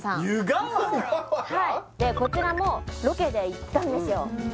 はいこちらもロケで行ったんですよ